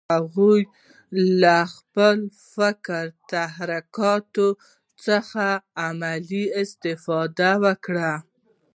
هغوی له خپلو فکري تحرکات څخه عملي استفاده وکړه